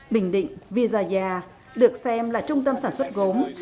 bình định visaya được xem là trung tâm sản xuất gốm